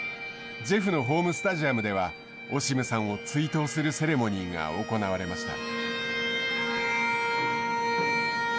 ジェフのホームスタジアムでは、オシムさんを追悼するセレモニーが行われました。